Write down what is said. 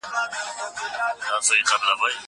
زه اوس تمرين کوم!!